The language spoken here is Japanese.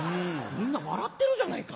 みんな笑ってるじゃないか。